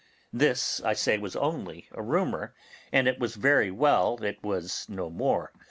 This, I say, was only a rumour, and it was very well it was no more.